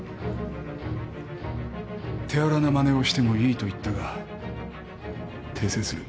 手荒なまねをしてもいいと言ったが訂正する。